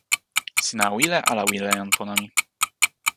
sina wile ala wile jan pona mi?